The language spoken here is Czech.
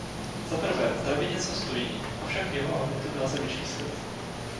Zaprvé, zdraví něco stojí, avšak jeho hodnotu nelze vyčíslit.